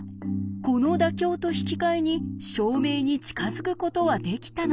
この妥協と引き換えに証明に近づくことはできたのか？